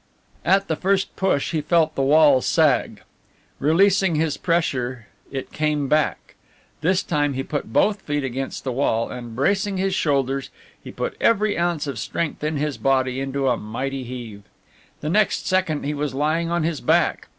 At the first push he felt the wall sag. Releasing his pressure it came back. This time he put both feet against the wall and bracing his shoulders he put every ounce of strength in his body into a mighty heave. The next second he was lying on his back.